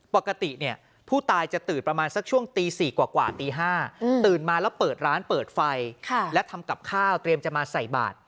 ปกติเนี่ยผู้ตายจะตื่นประมาณสักช่วงตี๔กว่าตี๕ตื่นมาแล้วเปิดร้านเปิดไฟและทำกับข้าวเตรียมจะมาใส่บาท